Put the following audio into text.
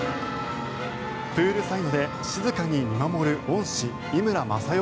プールサイドで静かに見守る恩師井村雅代